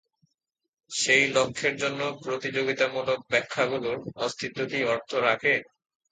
সেই লক্ষ্যের জন্য প্রতিযোগিতামূলক ব্যাখ্যাগুলোর অস্তিত্ব কী অর্থ রাখে?